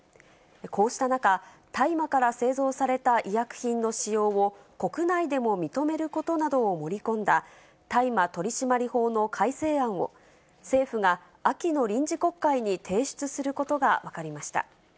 こうした中、大麻から製造された医薬品の使用を、国内でも認めることなどを盛り込んだ大麻取締法の改正案を、政府が秋の臨時国会に提出することが分かりました。